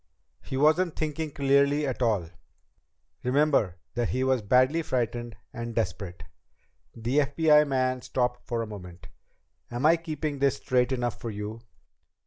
"He wasn't thinking clearly at all. Remember that he was badly frightened and desperate." The FBI man stopped for a moment. "Am I keeping this straight enough for you?"